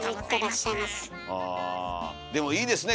でもいいですね